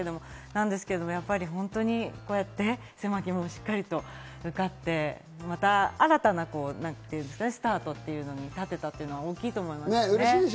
やっぱり本当にこうやって狭き門にしっかりと向かって、また新たなスタートっていうのに立てたというのは大きいと思いますね。